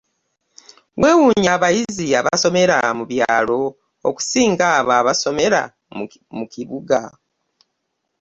Wewuunye abayizi abasomera mu byalo okusinga abo abaosmera mu kibuga.